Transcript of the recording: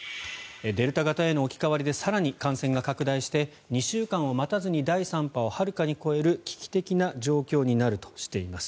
デルタ型への置き換わりで更に感染が拡大して２週間を待たずに第３波をはるかに超える危機的な状況になるとしています。